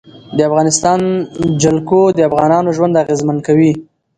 د افغانستان جلکو د افغانانو ژوند اغېزمن کوي.